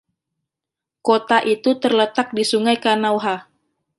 Kota itu terletak di Sungai Kanawha.